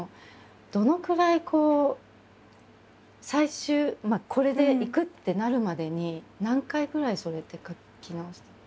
どのくらい最終これでいくってなるまでに何回ぐらいそれって書き直した？